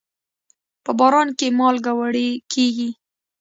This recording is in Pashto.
په باران کې مالګه وړي کېږي.